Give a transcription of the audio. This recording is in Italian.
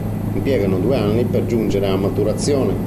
Impiegano due anni per giungere a maturazione.